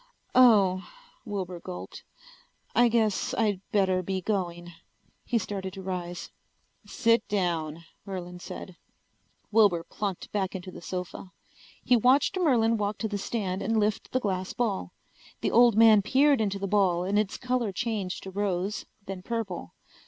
"Oh," Wilbur gulped. "I guess I'd better be going." He started to rise. "Sit down," Merlin said. Wilbur plunked back into the sofa. He watched Merlin walk to the stand and lift the glass ball. The old man peered into the ball and its color changed to rose, then purple.